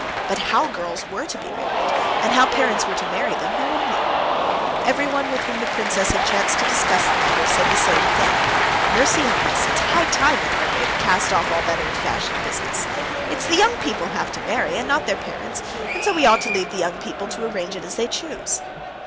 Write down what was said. But how girls were to be married, and how parents were to marry them, no one knew. Everyone with whom the princess had chanced to discuss the matter said the same thing: "Mercy on us, it's high time in our day to cast off all that old fashioned business. It's the young people have to marry; and not their parents; and so we ought to leave the young people to arrange it as they choose."